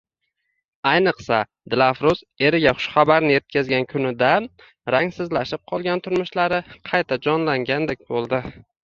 Ayniqsa, Dilafruz eriga xushxabarni etkazgan kunidan rangsizlashib qolgan turmushlari qayta jonlangandek bo`ldi